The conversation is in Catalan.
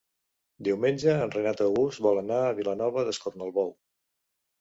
Diumenge en Renat August vol anar a Vilanova d'Escornalbou.